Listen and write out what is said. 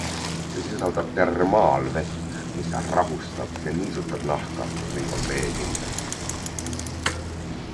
See sisaldab ka termaalvett, mis rahustab ja niisutab nahka ning on veekindel.